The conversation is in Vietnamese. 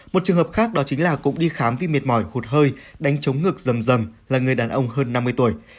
một trường hợp khác đó chính là cũng đi khám vì mệt mỏi hụt hơi đánh chống ngực dầm rầm là người đàn ông hơn năm mươi tuổi